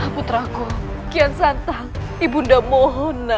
putraku kian santai ibunda mohonnya